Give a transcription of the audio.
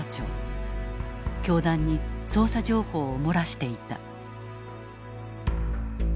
教団に捜査情報を漏らしていた。